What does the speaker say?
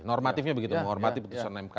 normatifnya begitu menghormati putusan mk